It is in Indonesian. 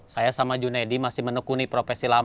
saya sama junedi masih menekuni profesi lama